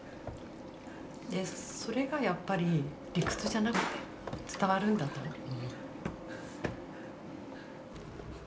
それがやっぱり理屈じゃなくて伝わるんだと思う。